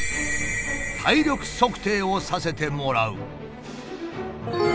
体力測定をさせてもらう。